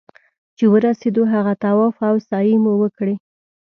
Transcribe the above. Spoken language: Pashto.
چې ورسېدو هغه طواف او سعيې مو وکړې.